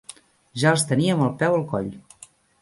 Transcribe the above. Ja els teníem el peu al coll